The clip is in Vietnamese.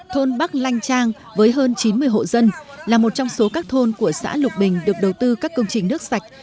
thôn bắc lanh trang với hơn chín mươi hộ dân là một trong số các thôn của xã lục bình được đầu tư các công trình nước sạch